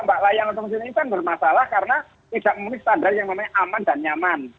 mbak layang atau mesin ini kan bermasalah karena tidak memenuhi standar yang memang aman dan nyaman